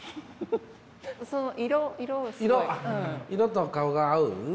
色と顔が合う？